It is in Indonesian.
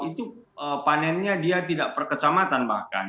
itu panennya dia tidak per kecamatan bahkan